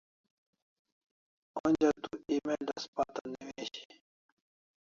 Onja tu email as pata newishi